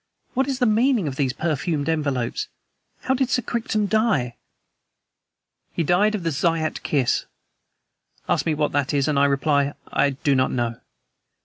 What is the meaning of these perfumed envelopes? How did Sir Crichton die?" "He died of the Zayat Kiss. Ask me what that is and I reply 'I do not know.'